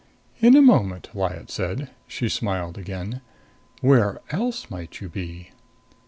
"In a moment," Lyad said. She smiled again. "Where else might you be?"